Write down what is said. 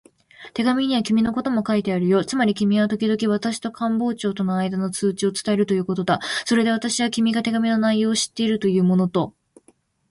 手紙には君のことも書いてあるよ。つまり君はときどき私と官房長とのあいだの通知を伝えるということだ。それで私は、君が手紙の内容を知っているものと